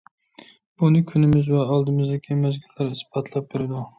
بۇنى كۈنىمىز ۋە ئالدىمىزدىكى مەزگىللەر ئىسپاتلاپ بېرىدۇ.